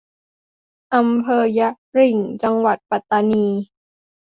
อำเภอยะหริ่ง จังหวัดปัตตานี